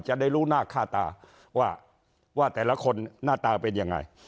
จะได้รู้หน้าค่าตาว่าแต่ละคนหน้าตาเป็นยังไง